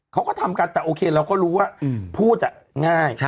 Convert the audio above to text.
เขาก็ทำกันเราก็รู้ว่าพูดง่าย